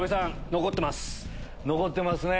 残ってますね。